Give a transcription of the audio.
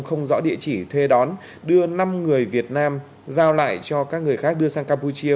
không rõ địa chỉ thuê đón đưa năm người việt nam giao lại cho các người khác đưa sang campuchia